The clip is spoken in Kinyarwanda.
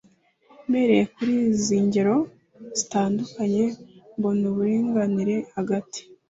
Mpereye kuri izi ngero zitandukanye, mbona uburinganire hagati